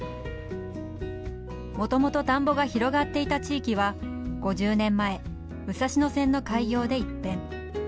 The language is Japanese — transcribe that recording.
もともと田んぼが広がっていた地域は５０年前、武蔵野線の開業で一変。